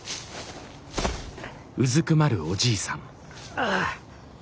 ああ。